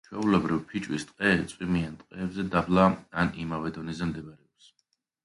ჩვეულებრივ, ფიჭვის ტყე წვიმიან ტყეებზე დაბლა ან იმავე დონეზე მდებარეობს.